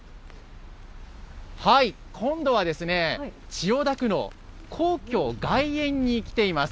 今度は、千代田区の皇居外苑に来ています。